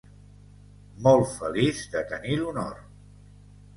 Molt feliç de tenir l'honor!